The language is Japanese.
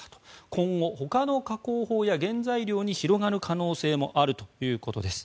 今後、ほかの加工法や原材料に広がる可能性もあるということです。